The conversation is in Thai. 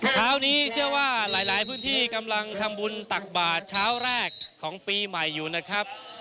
เช้านี้เชื่อว่าหลายพื้นที่กำลังทำบุญตักบาทเช้าแรกของปีใหม่อยู่นะครับ